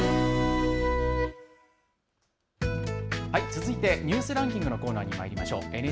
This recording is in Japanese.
続いてニュースランキングのコーナーにまいりましょう。